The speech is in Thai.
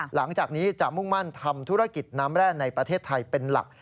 หลังจากนี้จะมุ่งมั่นทำธุรกิจน้ำแร่ในประเทศไทยเป็นหลัก